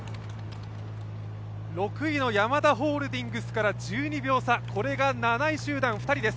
６位のヤマダホールディングスから１２秒差、７位集団２人です。